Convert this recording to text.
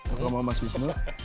aku sama mas wisnu